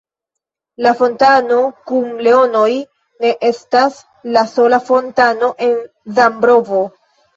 La fontano kun leonoj ne estas la sola fontano en Zambrovo.